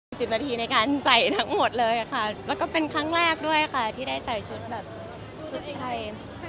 สิบนาทีในการใส่ทั้งหมดเลยค่ะแล้วก็เป็นครั้งแรกด้วยค่ะที่ได้ใส่ชุดแบบชุดไทย